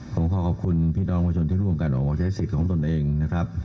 ผมขอขอบคุณพี่น้องประชาชนที่ร่วมกันออกมาใช้สิทธิ์ของตนเองนะครับ